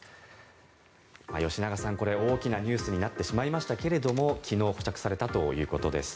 吉永さん、これ大きなニュースになってしまいましたけど昨日保釈されたということです。